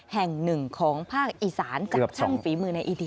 แห่งหนึ่งของภาคอีสานจากช่องฝีมือในอีที